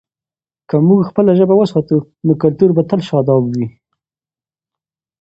که موږ خپله ژبه وساتو، نو کلتور به تل شاداب وي.